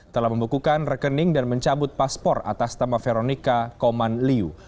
telah membekukan rekening dan mencabut paspor atas nama veronica koman liu